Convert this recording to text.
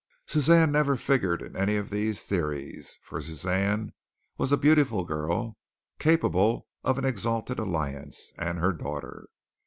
Suzanne never figured in any of these theories, for Suzanne was a beautiful girl, capable of an exalted alliance, and her daughter.